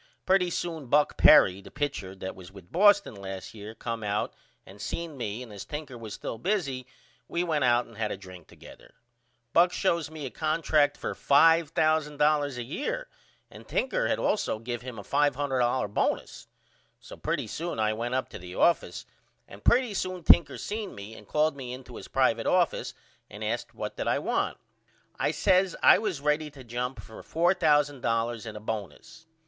Pretty soon Buck Perry the pitcher that was with Boston last year come out and seen me and as Tinker was still busy we went out and had a drink together. Buck shows me a contract for $5000 a year and Tinker had allso gave him a $500 bonus. So pretty soon I went up to the office and pretty soon Tinker seen me and called me into his private office and asked what did I want. I says I was ready to jump for $4000 and a bonus.